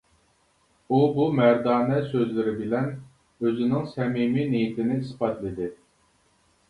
ئۇ بۇ مەردانە سۆزلىرى بىلەن ئۆزىنىڭ سەمىمىي نىيىتىنى ئىسپاتلىدى.